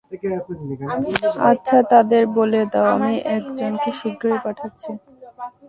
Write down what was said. আচ্ছা তাদের বলে দাও আমি একজনকে শীঘ্রই পাঠাচ্ছি।